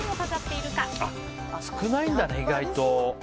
少ないんだね、意外と。